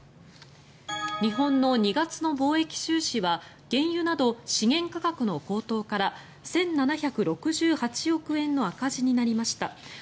日本の２月の貿易収支は原油など資源価格の高騰から１７６８億円の赤字になりました。